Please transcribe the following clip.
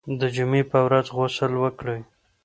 د جمعې په ورځ غسل وکړئ.